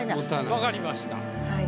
分かりました。